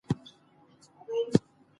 ما خپله دنده په بریالیتوب سره سرته رسولي ده.